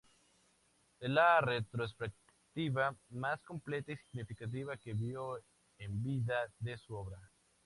Es la retrospectiva más completa y significativa que vio, en vida, de su obra.